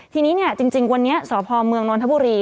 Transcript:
ทีนี้เนี่ยจริงวันนี้สพมนธบุรี